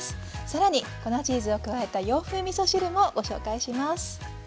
更に粉チーズを加えた洋風みそ汁もご紹介します。